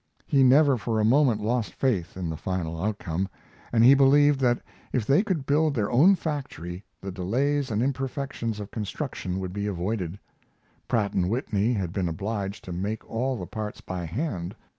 He never for a moment lost faith in the final outcome, and he believed that if they could build their own factory the delays and imperfections of construction would be avoided. Pratt & Whitney had been obliged to make all the parts by hand.